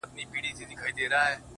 ځمه له روحه مي بدن د گلبدن را باسم _